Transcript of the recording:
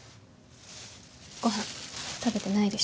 ご飯食べてないでしょ。